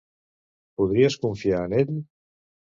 Podries confiar en ell?